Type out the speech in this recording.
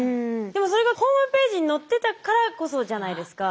でもそれがホームページに載ってたからこそじゃないですか。